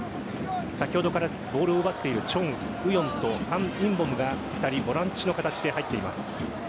先ほどからボールを奪っているチョン・ウヨンとファン・インボムが２人ボランチの形で入っています。